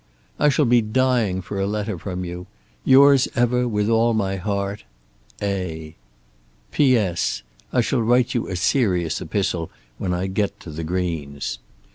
I shall be dying for a letter from you. Yours ever, with all my heart. A. I shall write you such a serious epistle when I get to the Greens.